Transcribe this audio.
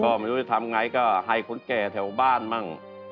พ่อไม่รู้จะทำอย่างไรก็ให้คนแก่แถวบ้านบ้าง